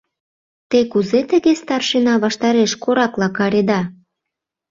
— Те кузе тыге старшина ваштареш коракла кареда?